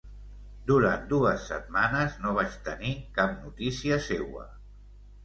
Durant dues setmanes no vaig tenir cap notícia seua.